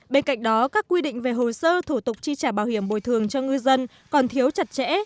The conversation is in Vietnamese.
bên cạnh đó các quy định về hồ sơ thủ tục chi trả bảo hiểm bồi thường cho ngư dân còn thiếu chặt chẽ